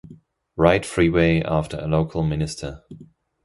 Wright Freeway after a local minister.